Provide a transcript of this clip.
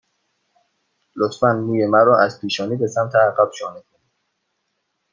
لطفاً موی مرا از پیشانی به سمت عقب شانه کنید.